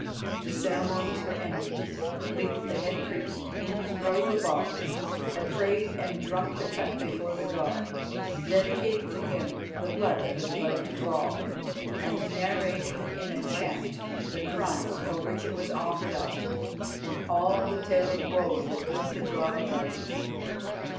The ceremonies were ended. Leif, the head priest, in his robe of office, had prayed and drunk the cup before the god, dedicating to him the blood that was about to fall, and narrating in a chant the crimes for which it was offered up and all the tale of woe that these had brought about.